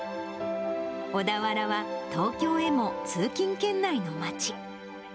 小田原は、東京へも通勤圏内の町。